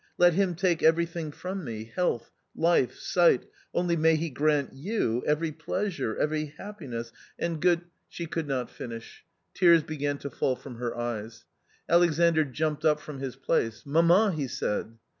Let Him take everything from me, health, life, sight — only may He grant you every pleasure, every happiness and good " 14 A COMMON STORY She could not finish. Tears began to fall from her eyes. Alexandr jumped up from his place. "Mamma," he said.